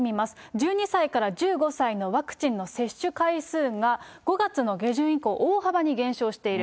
１２歳から１５歳のワクチンの接種回数が、５月の下旬以降、大幅に減少している。